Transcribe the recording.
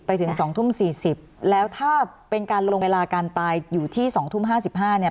ไปถึงสองทุ่มสี่สิบแล้วถ้าเป็นการลงเวลาการตายอยู่ที่สองทุ่มห้าสิบห้าเนี่ย